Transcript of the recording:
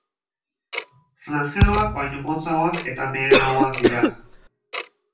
Flageloak baino motzagoak eta meheagoak dira.